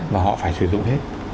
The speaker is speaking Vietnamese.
và họ phải sử dụng hết